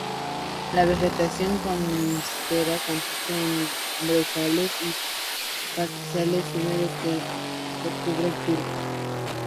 La vegetación costera consiste en brezales y pastizales húmedos que recubren turba.